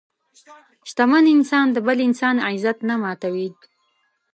شتمن انسان د بل انسان عزت نه ماتوي.